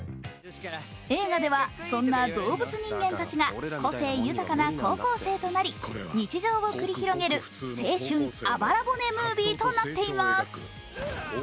映画ではそんな動物人間たちが個性豊かな高校生徒なり、日常を繰り広げる青春あばら骨ムービーとなっています。